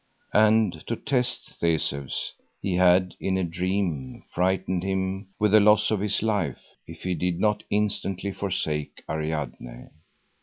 And to test Theseus he had in a dream frightened him with the loss of his life, if he did not instantly forsake Ariadne.